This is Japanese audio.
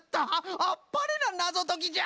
あっぱれななぞときじゃ！